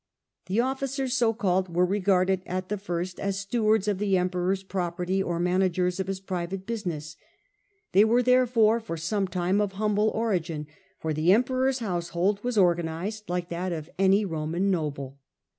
The officers so called were regarded at the first as stewards of the Emperor's property or managers of his private business. They were therefore for some time of humble origin, for the Emperor's household was organised like that of any Roman noble.